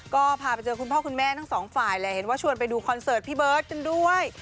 ก็พาไปเจอคุณพ่อคุณแม่ทั้งสองฝ่ายแหละเห็นว่าชวนไปดูคอนเสิร์ตพี่เบิร์ตกันด้วย